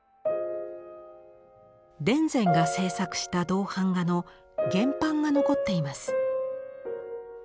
田善が制作した銅版画の原版が残っています。